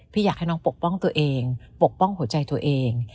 อยากให้น้องปกป้องตัวเองปกป้องหัวใจตัวเอง